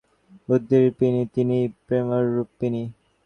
তিনিই প্রাণরূপিণী, তিনিই বুদ্ধিরূপিণী, তিনিই প্রেমরূপিণী।